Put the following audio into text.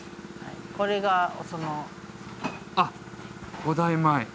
これがそのあっ古代米？